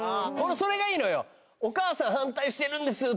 それがいいのよ